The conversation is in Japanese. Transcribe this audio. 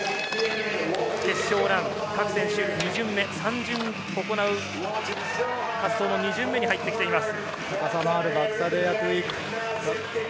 決勝ラン、各選手２巡目、３巡目行う、滑走の２巡目に入っています。